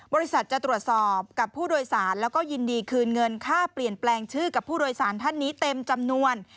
บริษัทจะตรวจสอบกับผู้โดยสารแล้วก็ยินดีคืนเงินค่าเปลี่ยนแปลงชื่อกับผู้โดยสารท่านนี้เต็มจำนวน